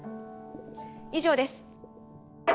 以上です。